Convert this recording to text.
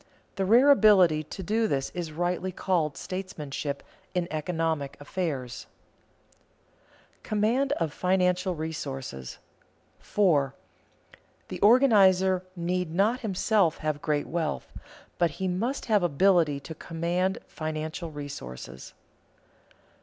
The rare ability to do this is rightly called statemanship in economic affairs. [Sidenote: Command of financial resources] 4. _The organizer need not himself have great wealth, but he must have ability to command financial resources.